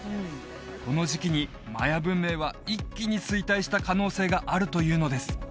この時期にマヤ文明は一気に衰退した可能性があるというのです